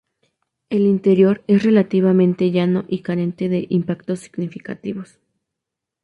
El interior es relativamente llano y carente de impactos significativos.